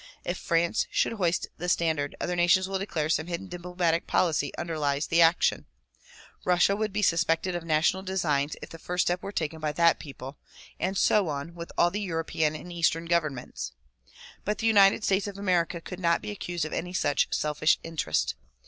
If France should hoist the standard other nations will declare some hidden diplomatic policy underlies the action ; Russia would be suspected of national designs if the first step were taken by that people, and so on with all the European and eastern governments. But the United States of America could not be accused of any such selfish interest.